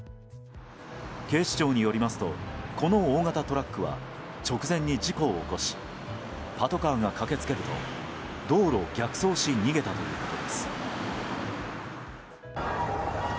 警視庁によりますとこの大型トラックは直前に事故を起こしパトカーが駆け付けると道路を逆走し逃げたということです。